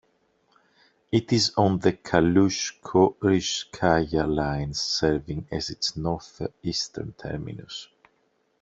It is on the Kaluzhsko-Rizhskaya Line serving as its northeastern terminus.